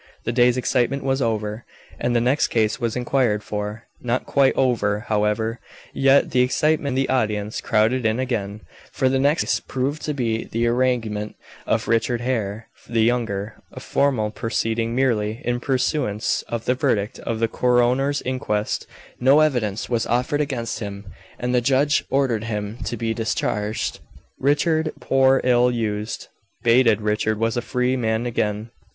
The day's excitement was over, and the next case was inquired for. Not quite over, however, yet, the excitement, and the audience crowded in again. For the next case proved to be the arraignment of Richard Hare the younger. A formal proceeding merely, in pursuance of the verdict of the coroner's inquest. No evidence was offered against him, and the judge ordered him to be discharged. Richard, poor, ill used, baited Richard was a free man again.